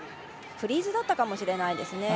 フリーズだったかもしれないです。